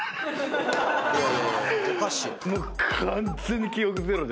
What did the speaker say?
もう完全に記憶ゼロです。